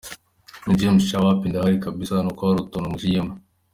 King James: Sha wapi ndahari kabisa, ni uko hari utuntu nari mpugiyemo.